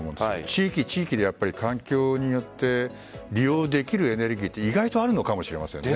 地域、地域で環境によって利用できるエネルギーは意外とあるのかもしれません。